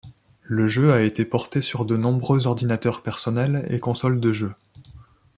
Le jeu a été porté sur de nombreux ordinateurs personnels et consoles de jeu.